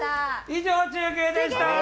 以上、中継でした。